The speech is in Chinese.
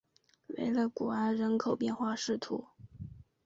维勒古安人口变化图示